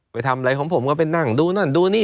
ไปทำอะไรของผมก็ไปนั่งดูนั่นดูนี่